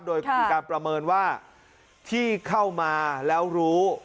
โดยมีการประเมินว่าที่เข้ามาแล้วรู้